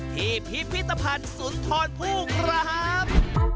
ที่พิพิธภัณฑ์สุนทรภูกรหาภ